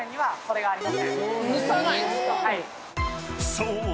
［そう。